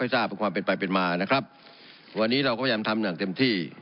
ทราบเป็นความเป็นไปเป็นมานะครับวันนี้เราก็พยายามทำอย่างเต็มที่